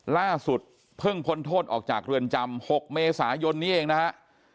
ล่าสุดเพิ่งพ้นโทษออกจากเรือนจำ๖เมษายนนี้เองนะฮะ